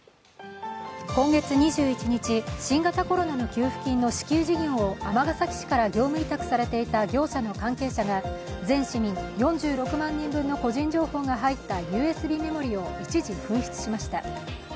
今月２１日、新型コロナの給付金の支給事業を尼崎市から業務委託されていた業者の関係者が全市民４６万人分の個人情報が入ったＵＳＢメモリーを一時、紛失しました。